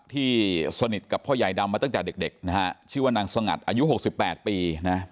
ที่สนิทกับพ่อใหญ่ดำมาตั้งแต่เด็กนะฮะชื่อว่านางสงัดอายุ๖๘ปีนะ